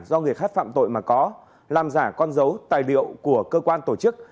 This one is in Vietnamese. do người khác phạm tội mà có làm giả con dấu tài liệu của cơ quan tổ chức